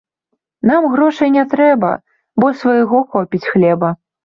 Нам грошай не трэба, бо свайго хопіць хлеба.